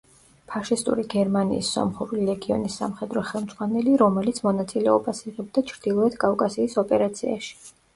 ფაშისტური გერმანიის სომხური ლეგიონის სამხედრო ხელმძღვანელი, რომელიც მონაწილეობას იღებდა ჩრდილოეთ კავკასიის ოპერაციაში.